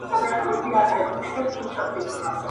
• خوني پړانګ چي هر څه زور واهه تر شا سو -